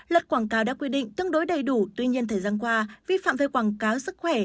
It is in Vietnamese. luật quảng cáo đã quy định tương đối đầy đủ tuy nhiên thời gian qua vi phạm về quảng cáo sức khỏe